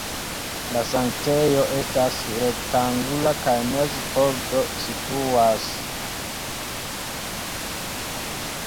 La sanktejo estas rektangula kaj meze pordo situas.